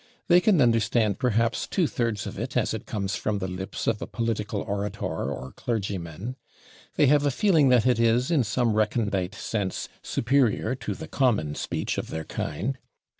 They can understand perhaps two thirds of it as it comes from the lips of a political orator or clergyman. They have a feeling that it is, in some recondite sense, superior to the common speech of their kind.